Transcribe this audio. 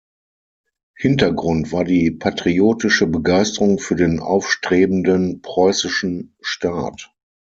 Hintergrund war die patriotische Begeisterung für den aufstrebenden preußischen Staat.